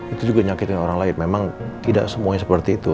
itu juga nyakitkan orang lain memang tidak semuanya seperti itu